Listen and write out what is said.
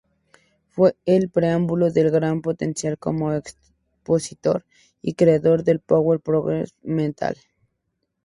Fue el preámbulo del gran potencial como expositor y creador del power progressive metal.